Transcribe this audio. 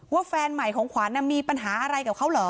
แฟนใหม่ของขวัญมีปัญหาอะไรกับเขาเหรอ